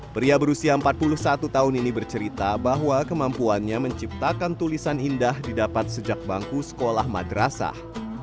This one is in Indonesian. pria berusia empat puluh satu tahun ini bercerita bahwa kemampuannya menciptakan tulisan indah didapat sejak bangku sekolah madrasah